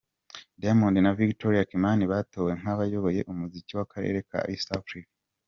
Diamond na Victoria Kimani batowe nk'abayoboye umuziki w'akarere ka East Africa.